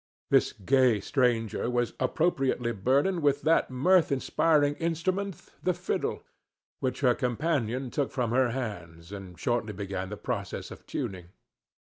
This gay stranger was appropriately burdened with that mirth inspiring instrument the fiddle, which her companion took from her hands, and shortly began the process of tuning.